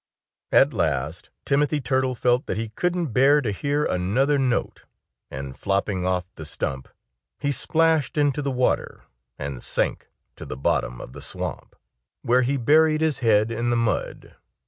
At last Timothy Turtle felt that he couldn't bear to hear another note. And flopping off the stump, he splashed into the water and sank to the bottom of the swamp, where he buried his head in the mud.